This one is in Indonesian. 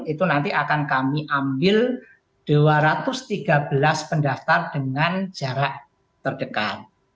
itu nanti akan kami ambil dua ratus tiga belas pendaftar dengan jarak terdekat